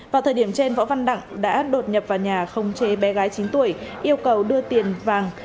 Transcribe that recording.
vào thời điểm trên võ văn đặng đã đột nhập vào nhà không chế bé gái chín tuổi yêu cầu đưa tiền vàng